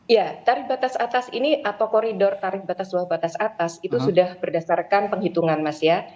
ya tarif batas atas ini atau koridor tarif batas bawah batas atas itu sudah berdasarkan penghitungan mas ya